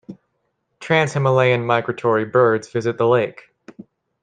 Trans Himalayan migratory birds visit the lake.